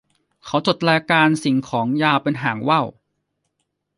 เขาจดรายการสิ่งของยาวเป็นหางว่าว